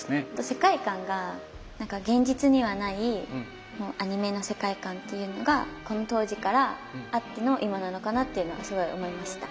世界観が何か現実にはないアニメの世界観っていうのがこの当時からあっての今なのかなっていうのはすごい思いました。